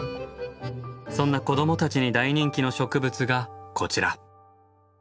そんな子どもたちに大人気の植物がこちら。